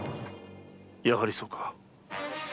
やはりそうか。